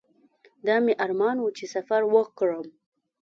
دا مې ارمان و چې سفر وکړم.